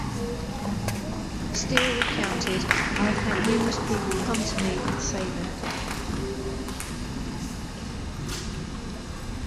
Steele recounted, I have had numerous people come to me and say that.